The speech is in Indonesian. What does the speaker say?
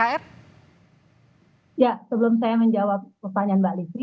ya sebelum saya menjawab pertanyaan mbak lizzie